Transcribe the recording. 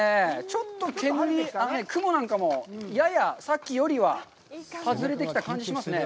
ちょっと煙、雲なんかもややさっきよりは外れてきた感じがしますね。